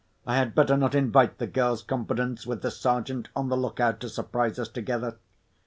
I had better not invite the girl's confidence, with the Sergeant on the look out to surprise us together.